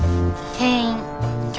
店員。